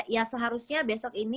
ya seharusnya besok ini